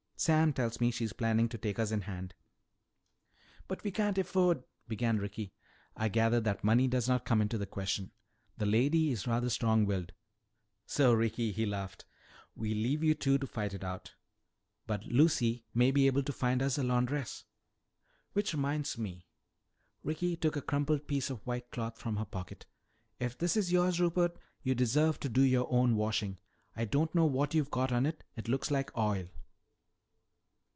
Sam tells me that she is planning to take us in hand." "But we can't afford " began Ricky. "I gathered that money does not come into the question. The lady is rather strong willed. So, Ricky," he laughed, "we'll leave you two to fight it out. But Lucy may be able to find us a laundress." "Which reminds me," Ricky took a crumpled piece of white cloth from her pocket, "if this is yours, Rupert, you deserve to do your own washing. I don't know what you've got on it; looks like oil."